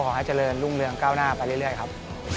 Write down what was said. ให้เจริญรุ่งเรืองก้าวหน้าไปเรื่อยครับ